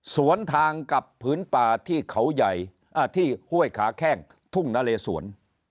สวนทางกับผืนป่าที่เขาใหญ่ที่ห้วยขาแข้งทุ่งนาเลสวน